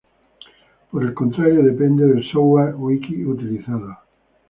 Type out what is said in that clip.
Por el contrario, depende del "software" wiki utilizado.